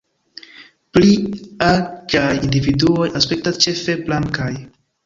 Pli aĝaj individuoj aspektas ĉefe blankaj.